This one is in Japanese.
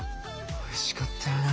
おいしかったよな。